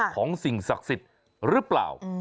สิ่งศักดิ์สิทธิ์หรือเปล่า